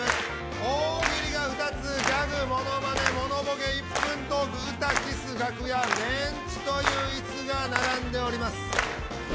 大喜利が２つギャグモノマネモノボケ１分トーク歌キス楽屋メンチというイスが並んでおります。